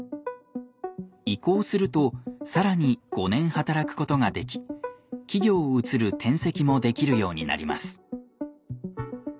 移行すると更に５年働くことができ企業を移る転籍もできるようになります。